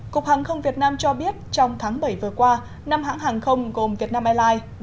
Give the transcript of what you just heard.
cục hàng không việt nam cho biết trong tháng bảy vừa qua năm hãng hàng không gồm vietnam airlines